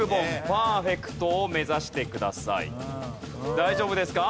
大丈夫ですか？